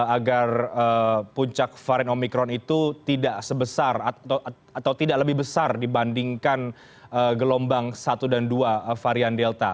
agar puncak varian omikron itu tidak sebesar atau tidak lebih besar dibandingkan gelombang satu dan dua varian delta